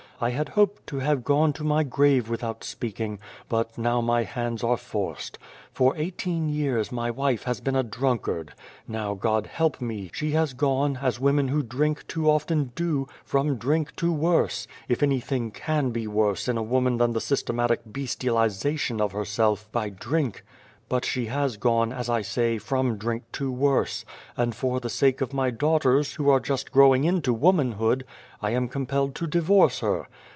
I had hoped to have gone to my grave without speaking, but now my hands are forced. For eighteen years my wife has been a drunkard. Now, God help me ! she has gone, as women who drink, too often, do, from drink to worse if anything can be worse in a woman than the systematic bestialisation of herself by drink. But she has gone, as I say, from drink to worse, and for the sake of my daughters, who are just growing into womanhood, I am compelled to divorce her.